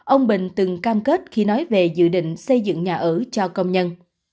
ông bình từng cam kết khi nói về dự định xây dựng nhà ở cho công nhân